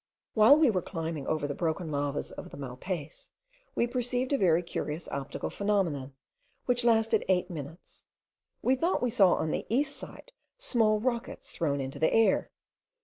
While we were climbing over the broken lavas of the Malpays, we perceived a very curious optical phenomenon, which lasted eight minutes. We thought we saw on the east side small rockets thrown into the air.